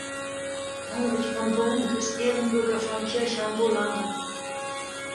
Heinrich von Brunck ist Ehrenbürger von Kirchheimbolanden.